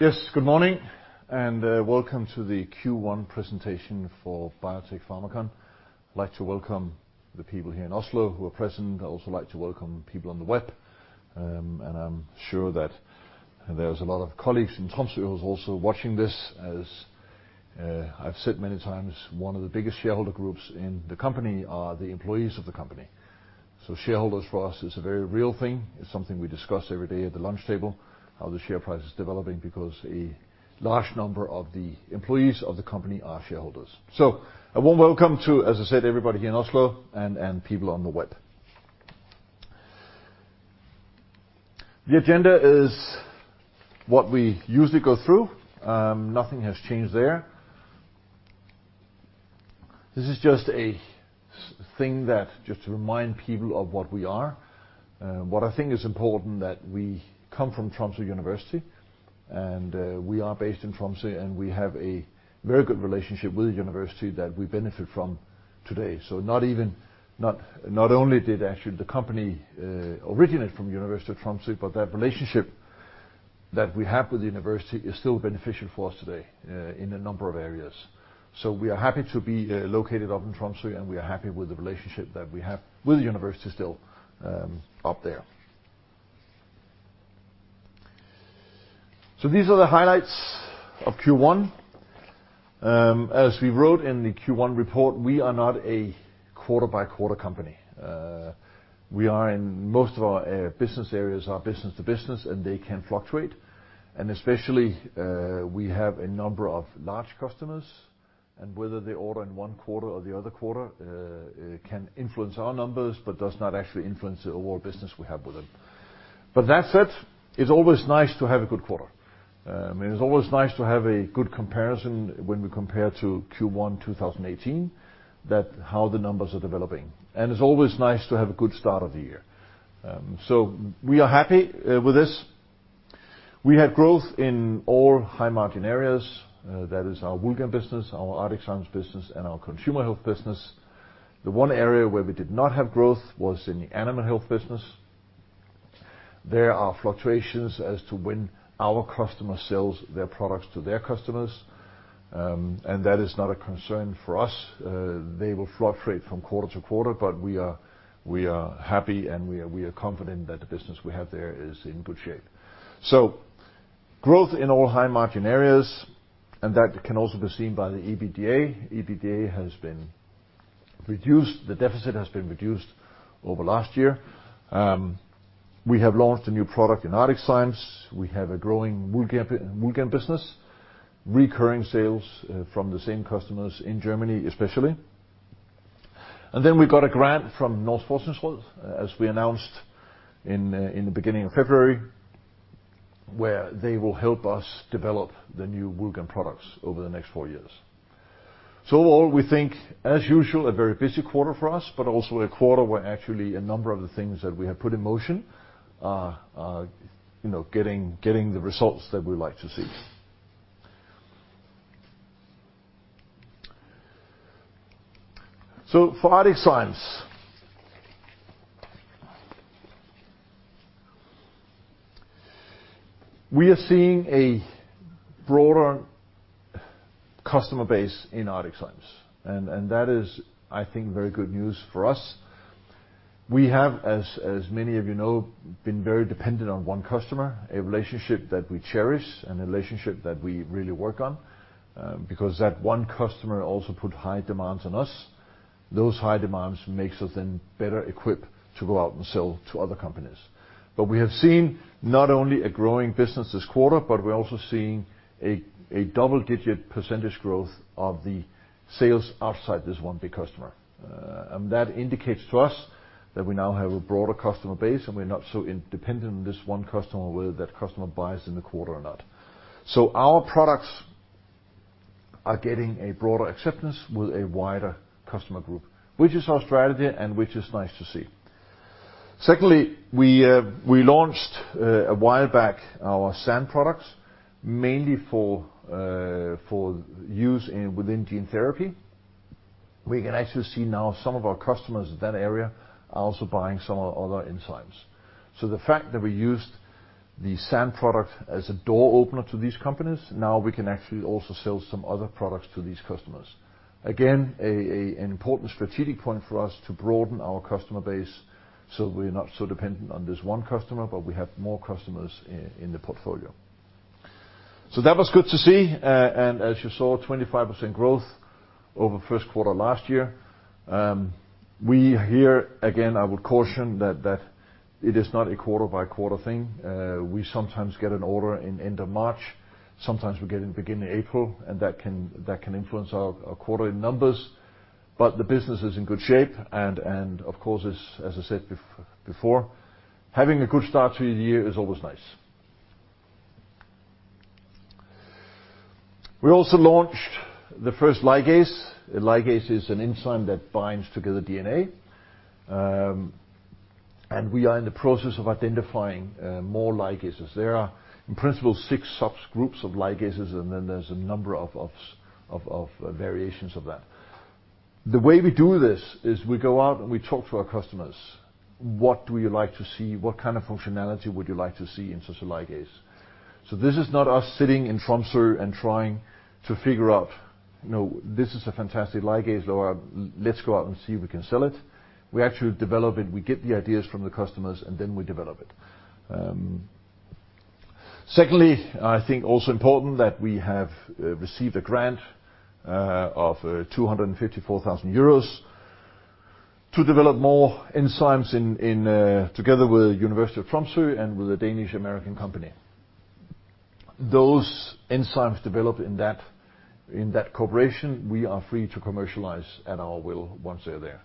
Good morning, welcome to the Q1 presentation for Biotec Pharmacon. I'd like to welcome the people here in Oslo who are present. I'd also like to welcome people on the web, I'm sure that there's a lot of colleagues in Tromsø who's also watching this. As I've said many times, one of the biggest shareholder groups in the company are the employees of the company. Shareholders for us is a very real thing. It's something we discuss every day at the lunch table, how the share price is developing because a large number of the employees of the company are shareholders. A warm welcome to, as I said, everybody here in Oslo and people on the web. The agenda is what we usually go through. Nothing has changed there. This is just a thing just to remind people of what we are. What I think is important that we come from Tromsø University, we are based in Tromsø, we have a very good relationship with the university that we benefit from today. Not only did actually the company originate from University of Tromsø, but that relationship that we have with the university is still beneficial for us today in a number of areas. We are happy to be located up in Tromsø, we are happy with the relationship that we have with the university still up there. These are the highlights of Q1. As we wrote in the Q1 report, we are not a quarter-by-quarter company. Most of our business areas are business to business, they can fluctuate, especially, we have a number of large customers, whether they order in one quarter or the other quarter, it can influence our numbers, but does not actually influence the overall business we have with them. That said, it's always nice to have a good quarter. It's always nice to have a good comparison when we compare to Q1 2018, how the numbers are developing, it's always nice to have a good start of the year. We are happy with this. We had growth in all high-margin areas. That is our Woulgan business, our ArcticZymes business, our Consumer Health business. The one area where we did not have growth was in the Animal Health business. There are fluctuations as to when our customer sells their products to their customers. That is not a concern for us. They will fluctuate from quarter to quarter, we are happy, we are confident that the business we have there is in good shape. Growth in all high-margin areas, that can also be seen by the EBITDA. EBITDA has been reduced. The deficit has been reduced over last year. We have launched a new product in ArcticZymes. We have a growing Woulgan business, recurring sales from the same customers in Germany, especially. Then we got a grant from Norges Forskningsråd, as we announced in the beginning of February, where they will help us develop the new Woulgan products over the next four years. All we think, as usual, a very busy quarter for us, but also a quarter where actually a number of the things that we have put in motion are getting the results that we like to see. For ArcticZymes, we are seeing a broader customer base in ArcticZymes and that is, I think, very good news for us. We have, as many of you know, been very dependent on one customer, a relationship that we cherish and a relationship that we really work on. That one customer also put high demands on us. Those high demands makes us then better equipped to go out and sell to other companies. We have seen not only a growing business this quarter, but we are also seeing a double-digit % growth of the sales outside this one big customer. That indicates to us that we now have a broader customer base, and we are not so dependent on this one customer, whether that customer buys in the quarter or not. Our products are getting a broader acceptance with a wider customer group, which is our strategy and which is nice to see. Secondly, we launched a while back our SAN products, mainly for use within gene therapy. We can actually see now some of our customers in that area are also buying some of our other enzymes. The fact that we used the SAN product as a door opener to these companies, now we can actually also sell some other products to these customers. Again, an important strategic point for us to broaden our customer base so we are not so dependent on this one customer, but we have more customers in the portfolio. That was good to see, and as you saw, 25% growth over first quarter last year. We here, again, I would caution that it is not a quarter-by-quarter thing. We sometimes get an order in end of March. Sometimes we get it beginning of April, and that can influence our quarter end numbers. The business is in good shape, and of course, as I said before, having a good start to the year is always nice. We also launched the first ligase. A ligase is an enzyme that binds together DNA. We are in the process of identifying more ligases. There are, in principle, six subgroups of ligases, and then there is a number of variations of that. The way we do this is we go out and we talk to our customers. What would you like to see? What kind of functionality would you like to see in such a ligase? This is not us sitting in Tromsø and trying to figure out, this is a fantastic ligase, let us go out and see if we can sell it. We actually develop it. We get the ideas from the customers and then we develop it. Secondly, I think also important that we have received a grant of €254,000 to develop more enzymes together with the University of Tromsø and with a Danish-American company. Those enzymes developed in that collaboration, we are free to commercialize at our will once they are there.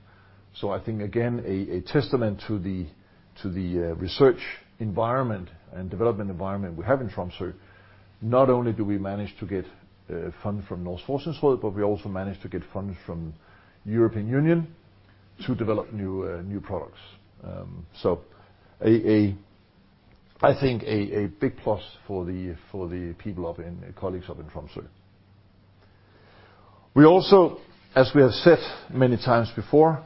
I think, again, a testament to the research environment and development environment we have in Tromsø. Not only do we manage to get funding from Norges Forskningsråd, but we also manage to get funds from European Union to develop new products. I think a big plus for the people and colleagues up in Tromsø. We also, as we have said many times before,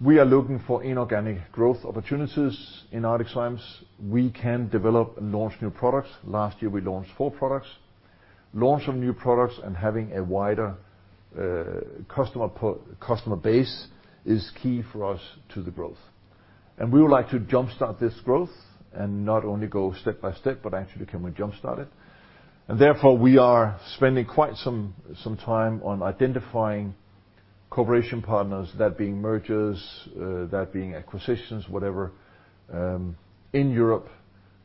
we are looking for inorganic growth opportunities in ArcticZymes. We can develop and launch new products. Last year, we launched 4 products. Launch of new products and having a wider customer base is key for us to the growth. We would like to jumpstart this growth and not only go step by step, but actually can we jumpstart it. Therefore, we are spending quite some time on identifying cooperation partners, that being mergers, that being acquisitions, whatever, in Europe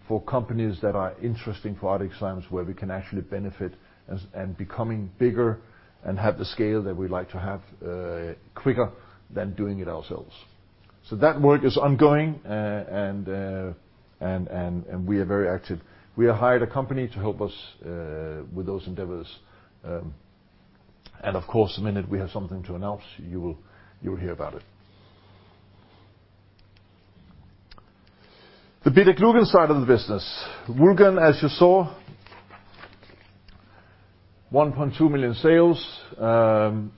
for companies that are interesting for ArcticZymes, where we can actually benefit and becoming bigger and have the scale that we like to have quicker than doing it ourselves. That work is ongoing, and we are very active. We have hired a company to help us with those endeavors. Of course, the minute we have something to announce, you will hear about it. The BetaGlucan side of the business. Woulgan, as you saw, 1.2 million sales,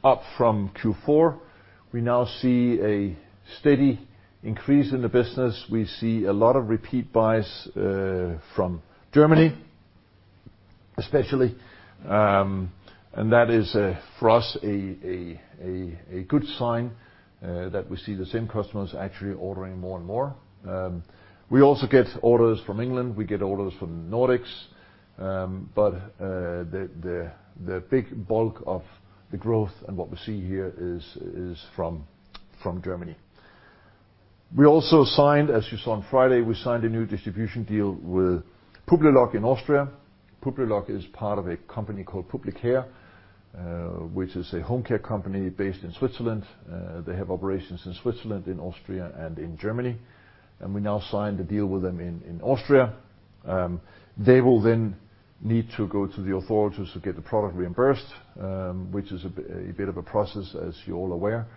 up from Q4. We now see a steady increase in the business. We see a lot of repeat buys from Germany, especially. That is, for us, a good sign that we see the same customers actually ordering more and more. We also get orders from England. We get orders from the Nordics. But the big bulk of the growth and what we see here is from Germany. We also signed, as you saw on Friday, we signed a new distribution deal with publi-care in Austria. publi-care is part of a company called Publicare, which is a home care company based in Switzerland. They have operations in Switzerland, in Austria, and in Germany. We now signed a deal with them in Austria. They will then need to go to the authorities to get the product reimbursed, which is a bit of a process, as you are all aware.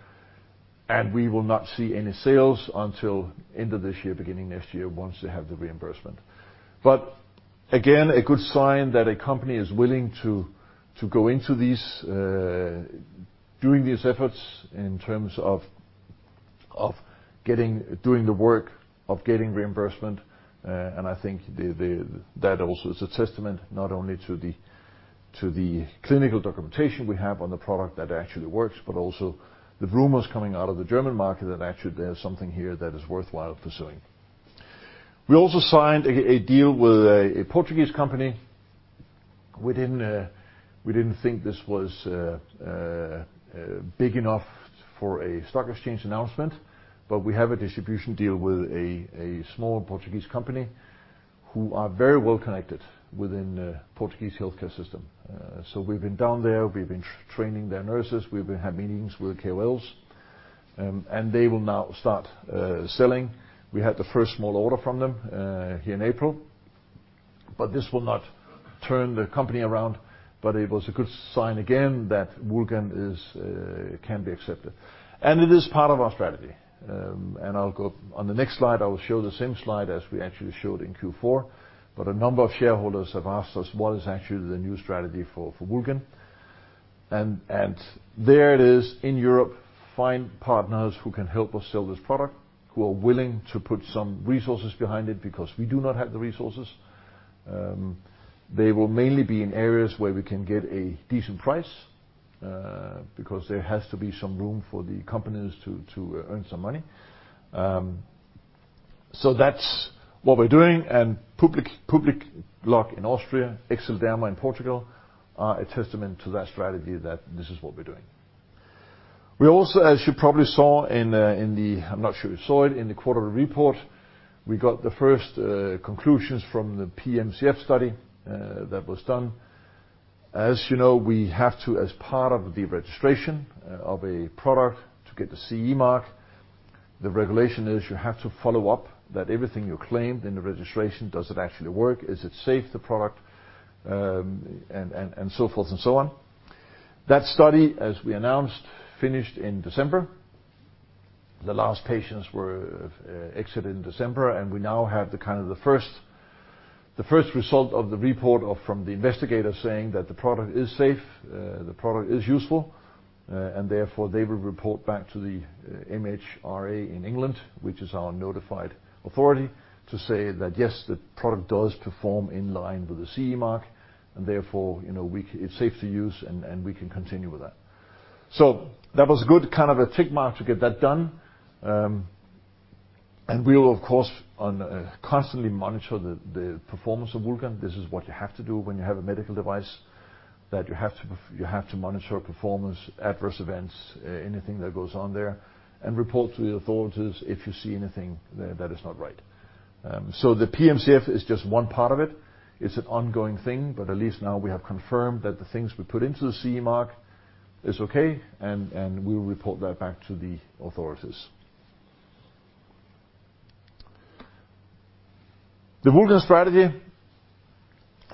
We will not see any sales until end of this year, beginning next year, once they have the reimbursement. But again, a good sign that a company is willing to go into doing these efforts in terms of doing the work of getting reimbursement. I think that also is a testament not only to the clinical documentation we have on the product that actually works, but also the rumors coming out of the German market that actually there is something here that is worthwhile pursuing. We also signed a deal with a Portuguese company. We didn't think this was big enough for a stock exchange announcement, but we have a distribution deal with a small Portuguese company who are very well-connected within the Portuguese healthcare system. So we've been down there. We've been training their nurses. We've been having meetings with KOLs. They will now start selling. We had the first small order from them here in April. But this will not turn the company around, but it was a good sign again that Woulgan can be accepted. It is part of our strategy. On the next slide, I will show the same slide as we actually showed in Q4. But a number of shareholders have asked us what is actually the new strategy for Woulgan. And there it is in Europe. Find partners who can help us sell this product, who are willing to put some resources behind it because we do not have the resources. They will mainly be in areas where we can get a decent price, because there has to be some room for the companies to earn some money. That's what we're doing and PubliCare in Austria, ExcelDerme in Portugal, are a testament to that strategy that this is what we're doing. We also, as you probably saw in the, I'm not sure you saw it, in the quarterly report, we got the first conclusions from the PMCF study that was done. As you know, we have to, as part of the registration of a product to get the CE mark, the regulation is you have to follow up that everything you claimed in the registration, does it actually work? Is it safe, the product? So forth and so on. That study, as we announced, finished in December. The last patients were exited in December, and we now have the first result of the report from the investigators saying that the product is safe, the product is useful, and therefore, they will report back to the MHRA in England, which is our notified authority, to say that, yes, the product does perform in line with the CE mark, and therefore, it's safe to use, and we can continue with that. That was good, a tick mark to get that done. And we will, of course, constantly monitor the performance of Woulgan. This is what you have to do when you have a medical device, that you have to monitor performance, adverse events, anything that goes on there, and report to the authorities if you see anything that is not right. The PMCF is just one part of it. It's an ongoing thing, but at least now we have confirmed that the things we put into the CE mark is okay, and we will report that back to the authorities. The Woulgan strategy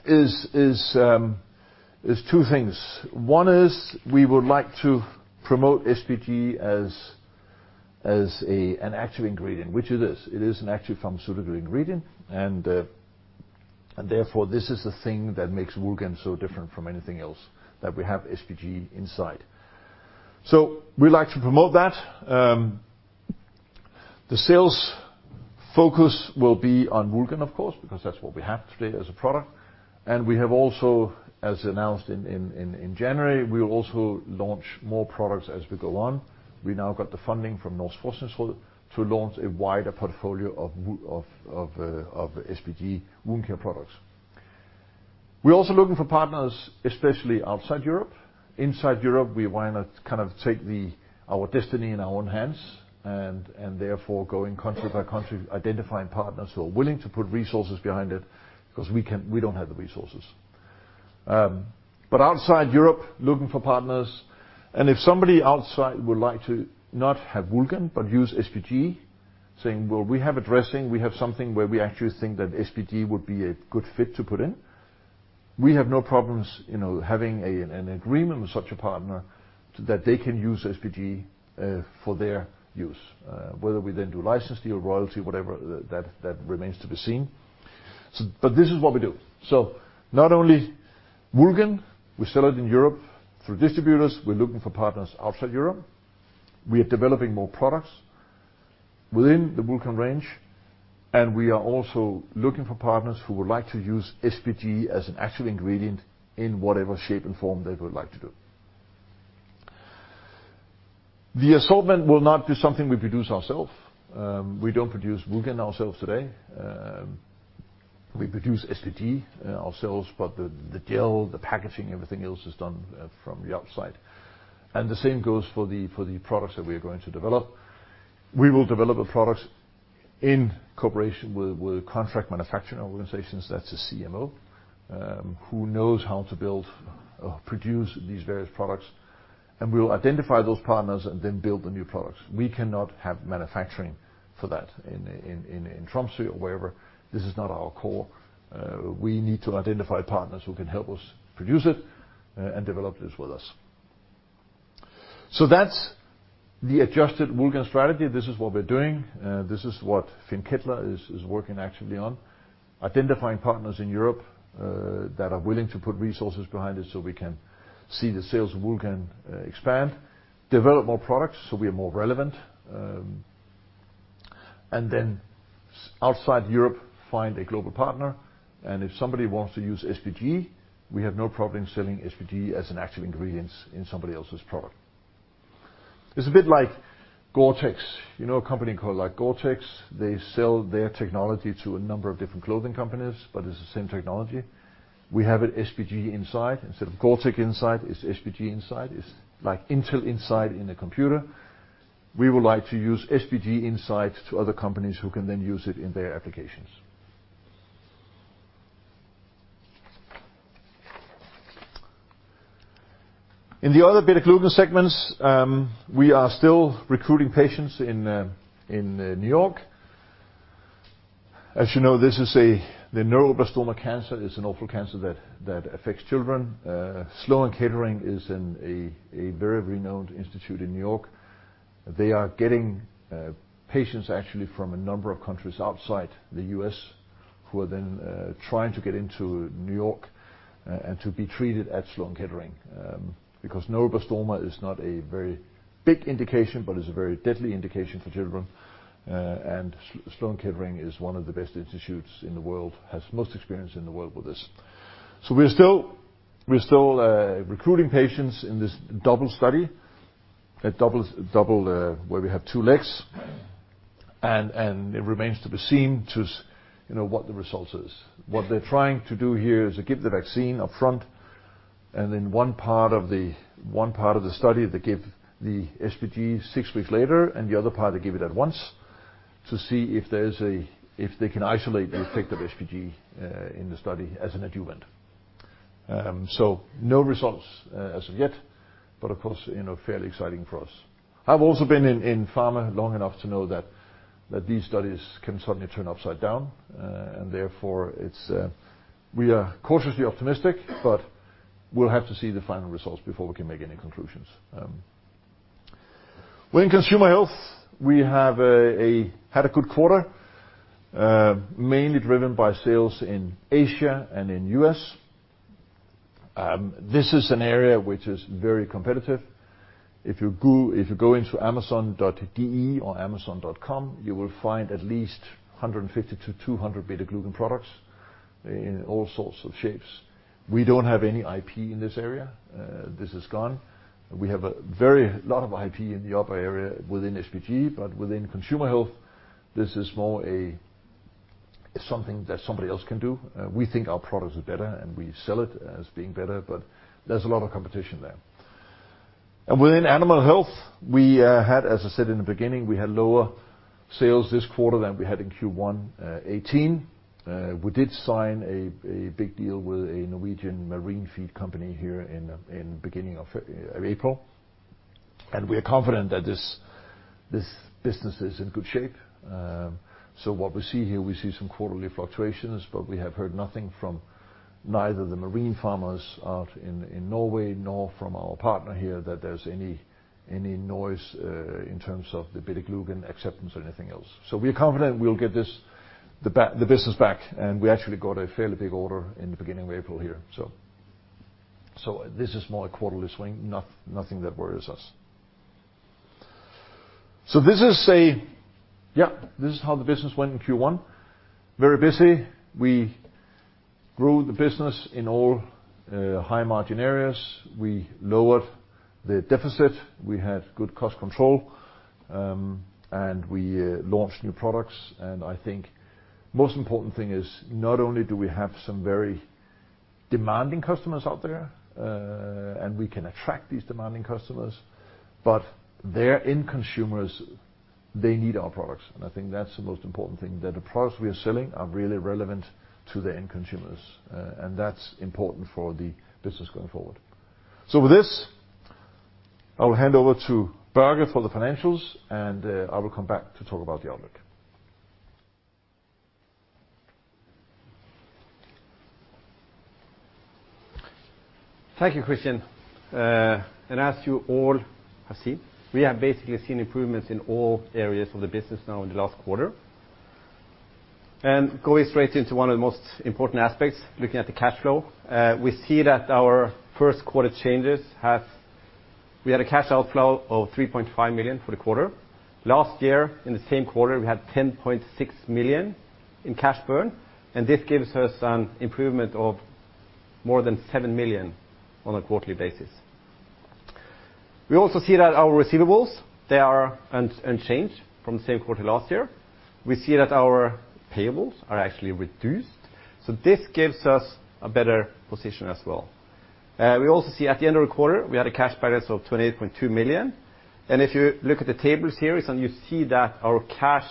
is two things. One is we would like to promote SPG as an active ingredient, which it is. It is an active pharmaceutical ingredient, and therefore, this is the thing that makes Woulgan so different from anything else, that we have SPG inside. We like to promote that. The sales focus will be on Woulgan, of course, because that's what we have today as a product. And we have also, as announced in January, we will also launch more products as we go on. We now got the funding from Norges Forskningsråd to launch a wider portfolio of SPG wound care products. We're also looking for partners, especially outside Europe. Inside Europe, we want to take our destiny in our own hands, and therefore, going country by country, identifying partners who are willing to put resources behind it because we don't have the resources. Outside Europe, looking for partners, and if somebody outside would like to not have Woulgan but use SPG, saying, "Well, we have a dressing, we have something where we actually think that SPG would be a good fit to put in," we have no problems having an agreement with such a partner that they can use SPG for their use. Whether we then do license deal, royalty, whatever, that remains to be seen. This is what we do. Not only Woulgan, we sell it in Europe through distributors, we're looking for partners outside Europe. We are developing more products within the Woulgan range, and we are also looking for partners who would like to use SPG as an active ingredient in whatever shape and form they would like to do. The assortment will not be something we produce ourselves. We do not produce Woulgan ourselves today. We produce SPG ourselves, but the gel, the packaging, everything else is done from the outside. The same goes for the products that we are going to develop. We will develop the products in cooperation with contract manufacturing organizations, that is a CMO, who knows how to build or produce these various products, and we will identify those partners and then build the new products. We cannot have manufacturing for that in Tromsø or wherever. This is not our core. We need to identify partners who can help us produce it and develop this with us. That is the adjusted Woulgan strategy. This is what we are doing. This is what Finn Ketler is working actively on, identifying partners in Europe that are willing to put resources behind it so we can see the sales of Woulgan expand, develop more products so we are more relevant, and then outside Europe, find a global partner. If somebody wants to use SPG, we have no problem selling SPG as an active ingredient in somebody else's product. It is a bit like Gore-Tex. You know a company called Gore-Tex? They sell their technology to a number of different clothing companies, but it is the same technology. We have SPG inside. Instead of Gore-Tex inside, it is SPG inside. It is like Intel Inside in a computer. We would like to use SPG Inside to other companies who can then use it in their applications. In the other beta-glucan segments, we are still recruiting patients in New York. As you know, this is the neuroblastoma cancer. It is an awful cancer that affects children. Sloan Kettering is a very renowned institute in New York. They are getting patients actually from a number of countries outside the U.S. who are then trying to get into New York and to be treated at Sloan Kettering, because neuroblastoma is not a very big indication, but it is a very deadly indication for children. Sloan Kettering is one of the best institutes in the world, has most experience in the world with this. So we are still recruiting patients in this double study, where we have two legs, and it remains to be seen to what the results is. What they are trying to do here is to give the vaccine up front, and in one part of the study, they give the SPG six weeks later, and the other part, they give it at once to see if they can isolate the effect of SPG in the study as an adjuvant. No results as of yet, but of course, fairly exciting for us. I have also been in pharma long enough to know that these studies can suddenly turn upside down, and therefore, we are cautiously optimistic. We will have to see the final results before we can make any conclusions. In consumer health, we have had a good quarter, mainly driven by sales in Asia and in the U.S. This is an area which is very competitive. If you go into amazon.de or amazon.com, you will find at least 150 to 200 beta-glucan products in all sorts of shapes. We don't have any IP in this area. This is gone. We have a lot of IP in the opera area within SPG, but within consumer health, this is more something that somebody else can do. We think our products are better and we sell it as being better, but there's a lot of competition there. Within animal health, as I said in the beginning, we had lower sales this quarter than we had in Q1 2018. We did sign a big deal with a Norwegian marine feed company here in the beginning of April. We are confident that this business is in good shape. What we see here, we see some quarterly fluctuations, but we have heard nothing from neither the marine farmers out in Norway nor from our partner here that there's any noise in terms of the beta-glucan acceptance or anything else. We are confident we'll get the business back. We actually got a fairly big order in the beginning of April here. This is more a quarterly swing, nothing that worries us. This is how the business went in Q1. Very busy. We grew the business in all high-margin areas. We lowered the deficit, we had good cost control. We launched new products. I think most important thing is not only do we have some very demanding customers out there. We can attract these demanding customers, but their end consumers, they need our products. I think that's the most important thing, that the products we are selling are really relevant to the end consumers. That's important for the business going forward. With this, I will hand over to Børge for the financials. I will come back to talk about the outlook. Thank you, Christian. As you all have seen, we have basically seen improvements in all areas of the business now in the last quarter. Going straight into one of the most important aspects, looking at the cash flow. We had a cash outflow of 3.5 million for the quarter. Last year, in the same quarter, we had 10.6 million in cash burn. This gives us an improvement of more than 7 million on a quarterly basis. We also see that our receivables, they are unchanged from the same quarter last year. We see that our payables are actually reduced. This gives us a better position as well. We also see at the end of the quarter, we had a cash balance of 28.2 million. If you look at the tables here, you see that our cash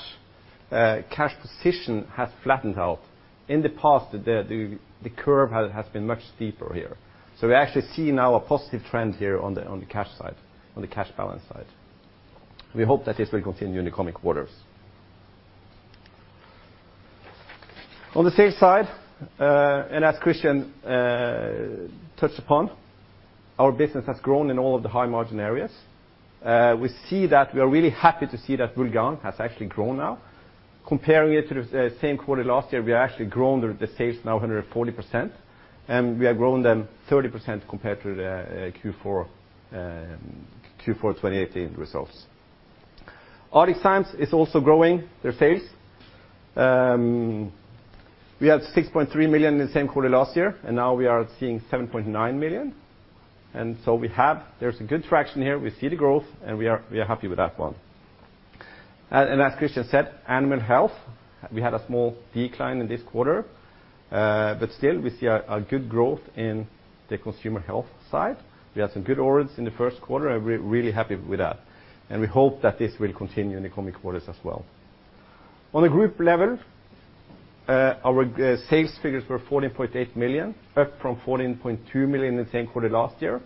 position has flattened out. In the past, the curve has been much steeper here. We actually see now a positive trend here on the cash balance side. We hope that this will continue in the coming quarters. On the sales side, as Christian touched upon, our business has grown in all of the high-margin areas. We are really happy to see that Woulgan has actually grown now. Comparing it to the same quarter last year, we have actually grown the sales now 140%, and we have grown them 30% compared to the Q4 2018 results. ArcticZymes is also growing their sales. We had 6.3 million in the same quarter last year, and now we are seeing 7.9 million, There's a good traction here. We see the growth, we are happy with that one. As Christian said, animal health, we had a small decline in this quarter, still we see a good growth in the consumer health side. We had some good orders in the first quarter, we're really happy with that, we hope that this will continue in the coming quarters as well. On a group level, our sales figures were 14.8 million, up from 14.2 million in the same quarter last year.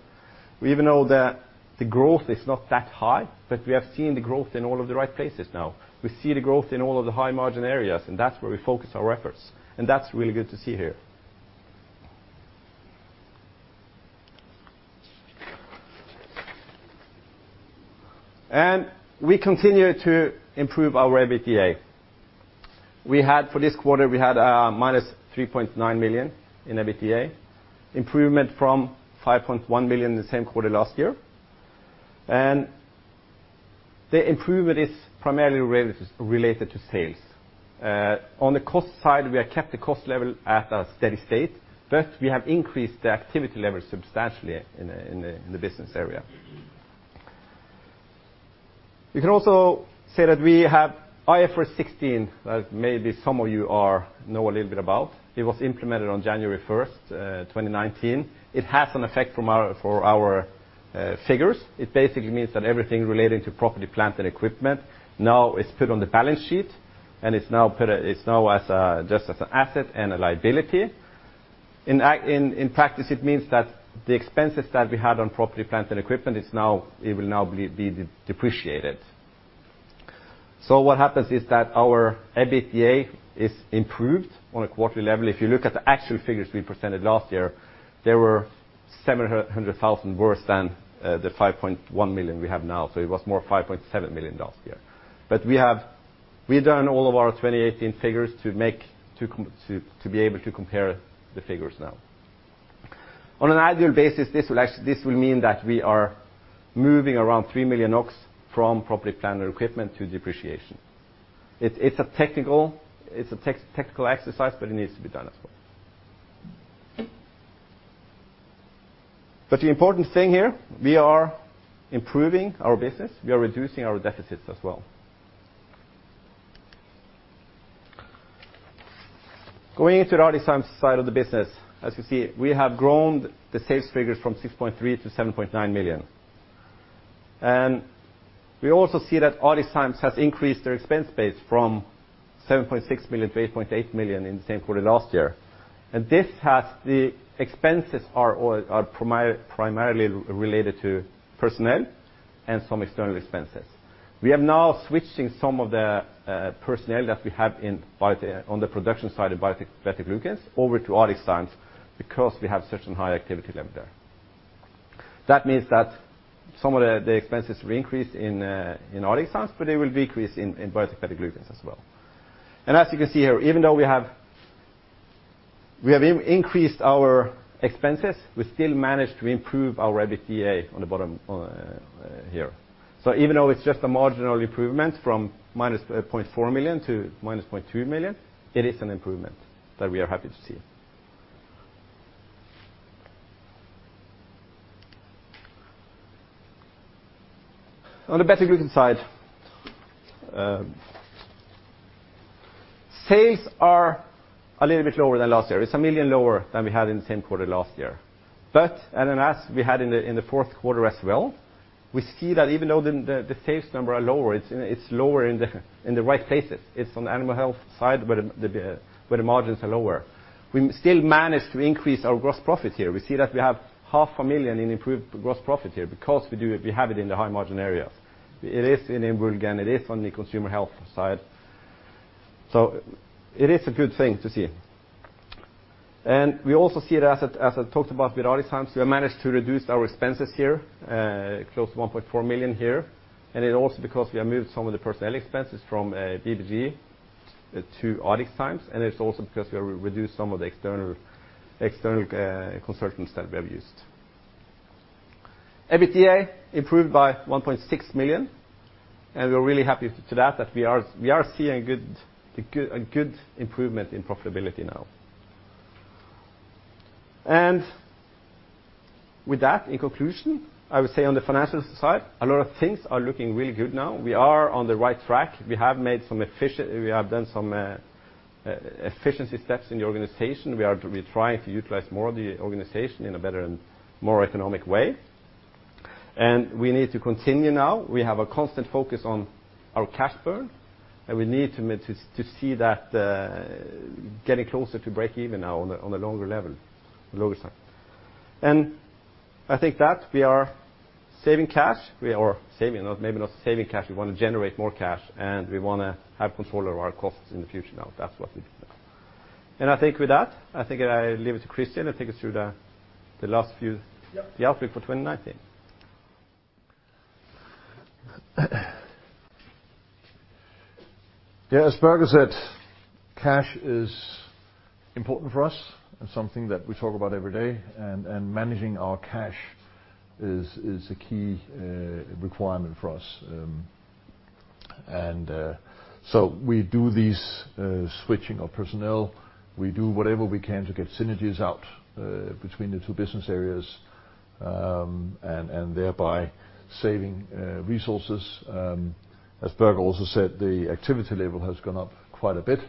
We even know that the growth is not that high, we have seen the growth in all of the right places now. We see the growth in all of the high-margin areas, that's where we focus our efforts. That's really good to see here. We continue to improve our EBITDA. For this quarter, we had a minus 3.9 million in EBITDA, improvement from 5.1 million in the same quarter last year. The improvement is primarily related to sales. On the cost side, we have kept the cost level at a steady state, we have increased the activity level substantially in the business area. You can also say that we have IFRS 16, as maybe some of you know a little bit about. It was implemented on January 1st, 2019. It has an effect for our figures. It basically means that everything relating to property, plant, and equipment now is put on the balance sheet, and it's now just as an asset and a liability. In practice, it means that the expenses that we had on property, plant, and equipment, it will now be depreciated. So what happens is that our EBITDA is improved on a quarterly level. If you look at the actual figures we presented last year, they were 700,000 worse than the 5.1 million we have now, so it was more 5.7 million last year. We've done all of our 2018 figures to be able to compare the figures now. On an annual basis, this will mean that we are moving around 3 million from property, plant and equipment to depreciation. It's a technical exercise, it needs to be done as well. The important thing here, we are improving our business. We are reducing our deficits as well. Going into the ArcticZymes side of the business. As you see, we have grown the sales figures from 6.3 million to 7.9 million. We also see that ArcticZymes has increased their expense base from 7.6 million to 8.8 million in the same quarter last year. The expenses are primarily related to personnel and some external expenses. We are now switching some of the personnel that we have on the production side in Biotec BetaGlucans over to ArcticZymes because we have such a high activity level there. That means that some of the expenses will increase in ArcticZymes, but they will decrease in Biotec BetaGlucans as well. As you can see here, even though we have increased our expenses, we still managed to improve our EBITDA on the bottom here. Even though it's just a marginal improvement from -0.4 million to -0.2 million, it is an improvement that we are happy to see. On the beta-glucan side, sales are a little bit lower than last year. It's 1 million lower than we had in the same quarter last year. As we had in the fourth quarter as well, we see that even though the sales number are lower, it's lower in the right places. It's on the animal health side where the margins are lower. We still managed to increase our gross profit here. We see that we have NOK half a million in improved gross profit here because we have it in the high margin areas. It is in Woulgan, it is on the consumer health side. It is a good thing to see. We also see it, as I talked about with ArcticZymes, we have managed to reduce our expenses here, close to 1.4 million here. It also because we have moved some of the personnel expenses from BBG to ArcticZymes, and it's also because we have reduced some of the external consultants that we have used. EBITDA improved by 1.6 million, and we're really happy to that we are seeing a good improvement in profitability now. With that, in conclusion, I would say on the financial side, a lot of things are looking really good now. We are on the right track. We have done some efficiency steps in the organization. We are trying to utilize more of the organization in a better and more economic way. We need to continue now. We have a constant focus on our cash burn, and we need to see that getting closer to breakeven now on the longer level, longer side. I think that we are saving cash. Or saving, maybe not saving cash. We want to generate more cash, and we want to have control of our costs in the future now. That's what we do now. I think with that, I think I leave it to Christian to take us through the last few. Yep The outlook for 2019. Yes, as Børge said, cash is important for us and something that we talk about every day, and managing our cash is a key requirement for us. We do these switching of personnel. We do whatever we can to get synergies out between the two business areas, and thereby saving resources. As Børge also said, the activity level has gone up quite a bit.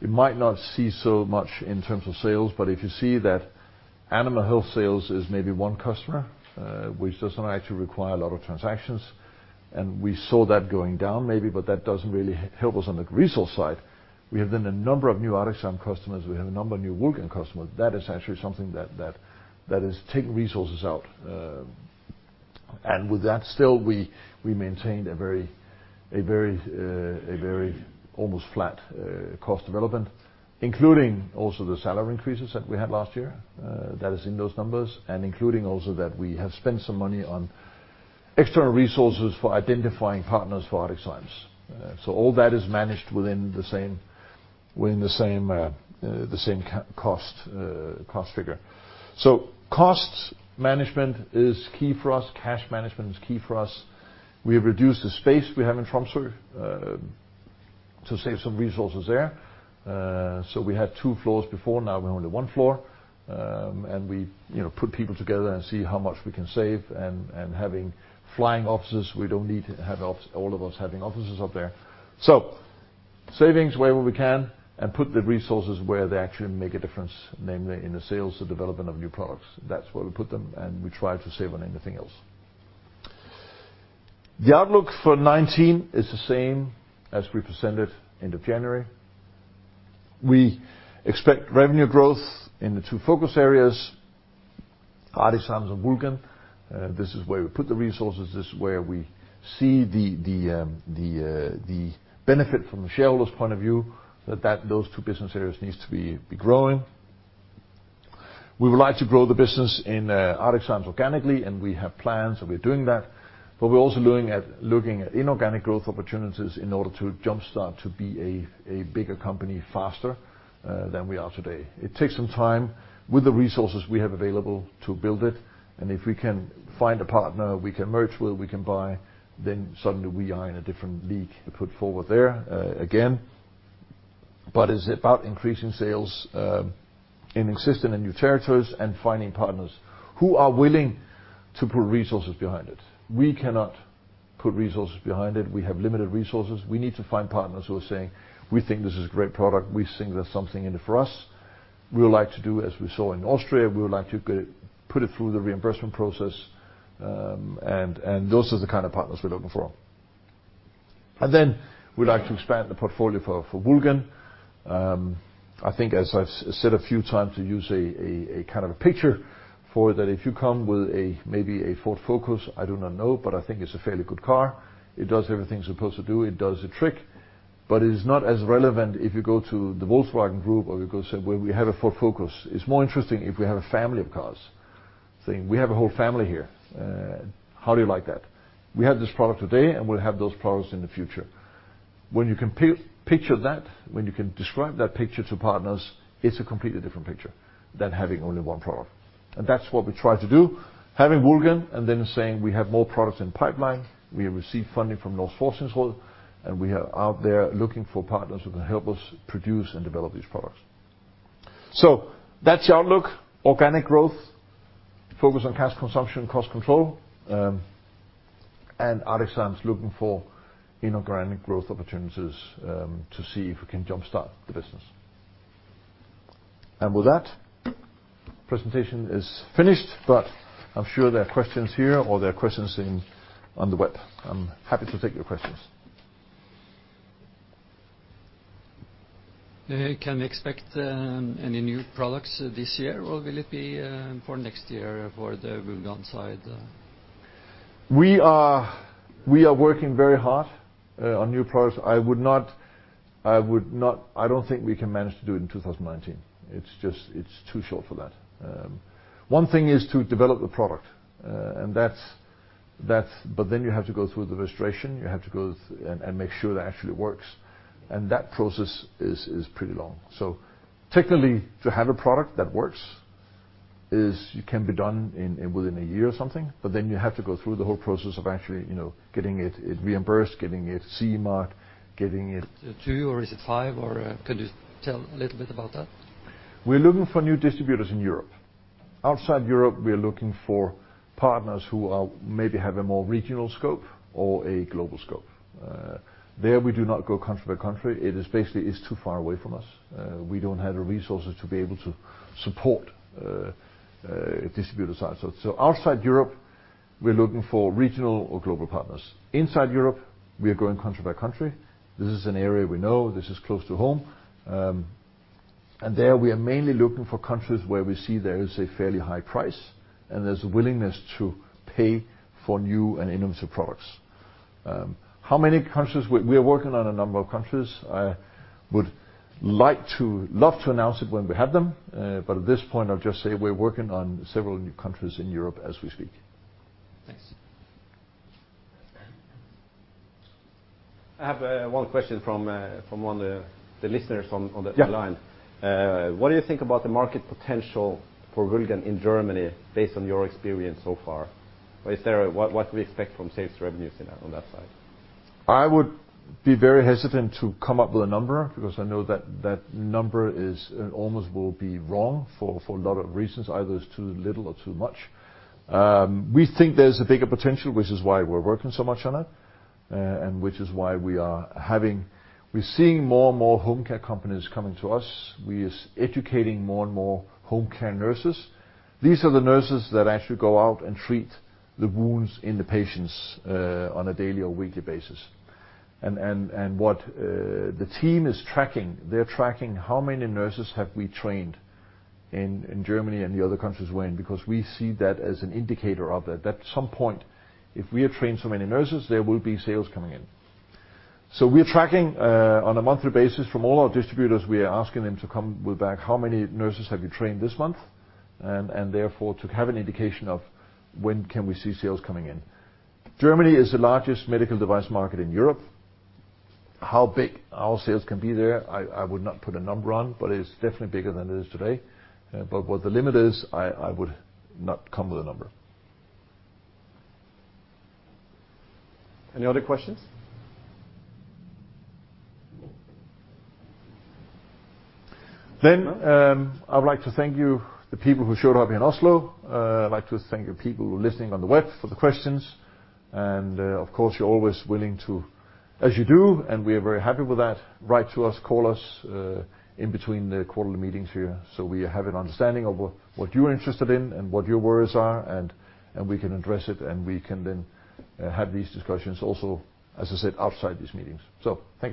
You might not see so much in terms of sales, but if you see that animal health sales is maybe one customer, which does not actually require a lot of transactions, and we saw that going down maybe, but that doesn't really help us on the resource side. We have done a number of new ArcticZymes customers. We have a number of new Woulgan customers. That is actually something that is taking resources out. With that, still we maintained a very almost flat cost development, including also the salary increases that we had last year. That is in those numbers, and including also that we have spent some money on external resources for identifying partners for ArcticZymes. All that is managed within the same cost figure. Cost management is key for us. Cash management is key for us. We have reduced the space we have in Tromsø to save some resources there. We had two floors before, now we only have one floor. We put people together and see how much we can save, and having flying offices. We don't need to have all of us having offices up there. Savings wherever we can and put the resources where they actually make a difference, namely in the sales and development of new products. That's where we put them, and we try to save on anything else. The outlook for 2019 is the same as we presented end of January. We expect revenue growth in the two focus areas, ArcticZymes and Woulgan. This is where we put the resources. This is where we see the benefit from the shareholders' point of view, that those two business areas needs to be growing. We would like to grow the business in ArcticZymes organically, and we have plans, and we're doing that. We're also looking at inorganic growth opportunities in order to jumpstart to be a bigger company faster than we are today. It takes some time with the resources we have available to build it, and if we can find a partner we can merge with, we can buy, then suddenly we are in a different league to put forward there, again. It's about increasing sales in existing and new territories and finding partners who are willing to put resources behind it. We cannot put resources behind it. We have limited resources. We need to find partners who are saying, "We think this is a great product. We think there's something in it for us. We would like to do as we saw in Austria, we would like to put it through the reimbursement process." Those are the kind of partners we're looking for. Then we'd like to expand the portfolio for Woulgan. I think as I've said a few times, to use a picture for that, if you come with maybe a Ford Focus, I do not know, but I think it's a fairly good car. It does everything it's supposed to do. It does the trick, but it is not as relevant if you go to the Volkswagen group or you go say, "Well, we have a Ford Focus." It's more interesting if we have a family of cars, saying, "We have a whole family here. How do you like that? We have this product today, and we'll have those products in the future." When you can picture that, when you can describe that picture to partners, it's a completely different picture than having only one product. And that's what we try to do, having Woulgan and then saying, we have more products in pipeline. We have received funding from, and we are out there looking for partners who can help us produce and develop these products. So that's the outlook. Organic growth, focus on cash consumption and cost control, and ArcticZymes looking for inorganic growth opportunities, to see if we can jumpstart the business. And with that, presentation is finished, but I'm sure there are questions here or there are questions on the web. I'm happy to take your questions. Can we expect any new products this year or will it be for next year for the Woulgan side? We are working very hard on new products. I don't think we can manage to do it in 2019. It's too short for that. One thing is to develop the product. You have to go through the registration, you have to go and make sure that actually works. That process is pretty long. Technically, to have a product that works, it can be done within a year or something, but then you have to go through the whole process of actually getting it reimbursed, getting it CE mark, getting it. Two or is it five, or could you tell a little bit about that? We're looking for new distributors in Europe. Outside Europe, we are looking for partners who maybe have a more regional scope or a global scope. There we do not go country by country. It is basically it's too far away from us. We don't have the resources to be able to support distributor sites. Outside Europe, we're looking for regional or global partners. Inside Europe, we are going country by country. This is an area we know. This is close to home. There we are mainly looking for countries where we see there is a fairly high price and there's a willingness to pay for new and innovative products. How many countries? We are working on a number of countries. I would love to announce it when we have them. At this point, I'll just say we're working on several new countries in Europe as we speak. Thanks. I have one question from one of the listeners on the line. Yeah. What do you think about the market potential for Woulgan in Germany based on your experience so far? What do we expect from sales revenues on that side? I would be very hesitant to come up with a number because I know that that number almost will be wrong for a lot of reasons. Either it's too little or too much. We think there's a bigger potential, which is why we're working so much on it, which is why we're seeing more and more home care companies coming to us. We are educating more and more home care nurses. These are the nurses that actually go out and treat the wounds in the patients on a daily or weekly basis. What the team is tracking, they're tracking how many nurses have we trained in Germany and the other countries we're in, because we see that as an indicator of that. At some point, if we have trained so many nurses, there will be sales coming in. We are tracking on a monthly basis from all our distributors. We are asking them to come back, how many nurses have you trained this month? Therefore, to have an indication of when can we see sales coming in. Germany is the largest medical device market in Europe. How big our sales can be there, I would not put a number on, but it's definitely bigger than it is today. What the limit is, I would not come with a number. Any other questions? I would like to thank you, the people who showed up here in Oslo. I'd like to thank the people who are listening on the web for the questions. Of course, you're always willing to, as you do, and we are very happy with that, write to us, call us, in between the quarterly meetings here so we have an understanding of what you're interested in and what your worries are, and we can address it and we can then have these discussions also, as I said, outside these meetings. Thank you